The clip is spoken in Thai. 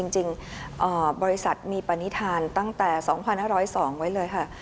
จริงบริษัทมีปณิธานตั้งแต่๒๕๐๒ไว้เลยค่ะ